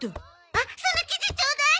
あっその記事ちょうだい！